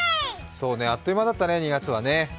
そうね、あっという間だったね、２月はね。